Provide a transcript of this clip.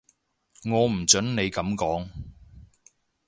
我唔準你噉講